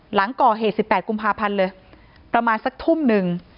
หลังก่อเหตุ๑๘กุมภาพันธ์เลยประมาณสักทุ่มหนึ่ง